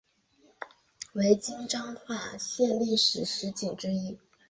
为今彰化县历史十景之一。